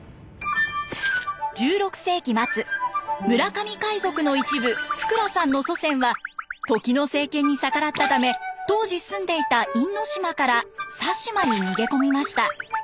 １６世紀末村上海賊の一部福羅さんの祖先は時の政権に逆らったため当時住んでいた因島から佐島に逃げ込みました。